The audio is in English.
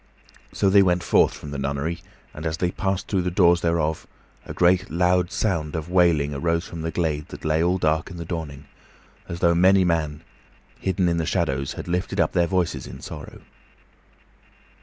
So they went forth from the nunnery, and, as they passed through the doors thereof, a great, loud sound of wailing arose from the glade that lay all dark in the dawning, as though many men, hidden in the shadows, had lifted up their voices in sorrow.